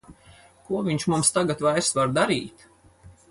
Ko viņš mums tagad vairs var darīt!